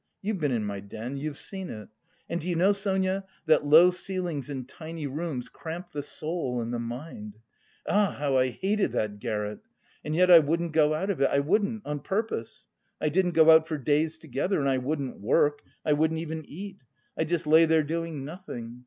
You've been in my den, you've seen it.... And do you know, Sonia, that low ceilings and tiny rooms cramp the soul and the mind? Ah, how I hated that garret! And yet I wouldn't go out of it! I wouldn't on purpose! I didn't go out for days together, and I wouldn't work, I wouldn't even eat, I just lay there doing nothing.